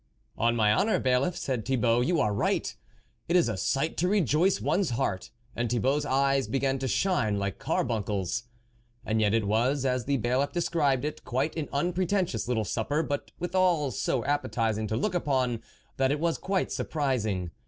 " On my honour, Bailiff," said Thibault, " you are right ; it is a sight to rejoice one's heart." And Thibault's eyes began to shine like carbuncles. And yet it was, as the Bailiff described it, quite an unpretentious little supper, but withal so appetising to look upon, that it was quite surprising.